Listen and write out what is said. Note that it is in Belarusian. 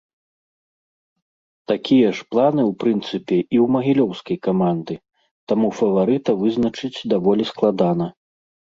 Такія ж планы ў прынцыпе і ў магілёўскай каманды, таму фаварыта вызначыць даволі складана.